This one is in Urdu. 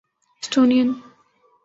اسٹونین